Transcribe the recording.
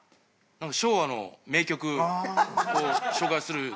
昭和の名曲を紹介する言うて。